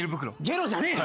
ゲロじゃねえ。